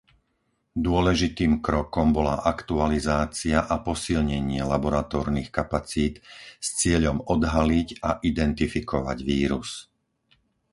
Dôležitým krokom bola aktualizácia a posilnenie laboratórnych kapacít s cieľom odhaliť a identifikovať vírus.